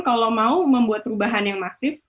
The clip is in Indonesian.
kalau mau membuat perubahan yang masif